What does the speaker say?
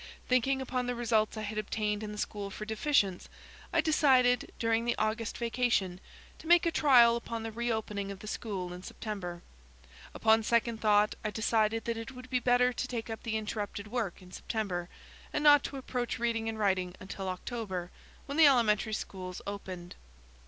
Thinking upon the results I had obtained in the school for deficients, I decided during the August vacation to make a trial upon the reopening of the school in September. Upon second thought I decided that it would be better to take up the interrupted work in September, and not to approach reading and writing until October, when the elementary schools opened.